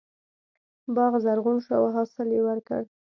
باغ زرغون شو او حاصل یې ورکړ.